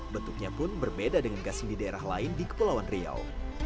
bentuknya pun berbeda dengan gasing di daerah lain di kepulauan riau